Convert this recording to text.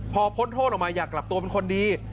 พอพ้นโทษออกมาอยากกลับตัวเป็นคนดี